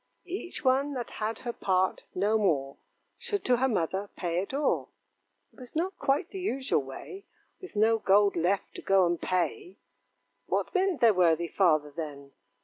'Each one that had her part, no more, Should to her mother pay it o'er.' It was not quite the usual way, With no gold left, to go and pay: What meant their worthy father, then?